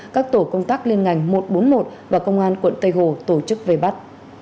các tổ công tác liên ngành một trăm bốn mươi một và công an quận tây hồ tổ chức vây bắt